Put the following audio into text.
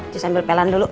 just sambil pelan dulu